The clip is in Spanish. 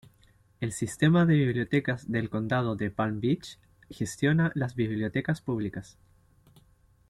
El Sistema de Bibliotecas del Condado de Palm Beach gestiona las bibliotecas públicas.